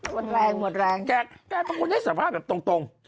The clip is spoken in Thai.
แกแกต้องกดให้สาธารณะตรง